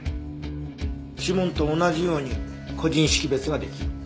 指紋と同じように個人識別ができる。